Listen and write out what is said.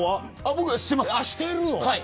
僕はしてます。